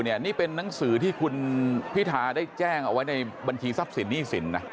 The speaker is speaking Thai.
นี่เป็นนังสือที่คุณพิธาได้แจ้งเอาไว้ในบัญชีทรัพย์สินหนี้สินนะ